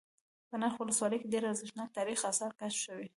په نرخ ولسوالۍ كې ډېر ارزښتناك تاريخ آثار كشف شوي